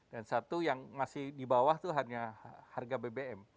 dan satu yang masih di bawah itu hanya harga bbm